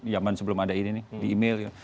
zaman sebelum ada ini nih di email gitu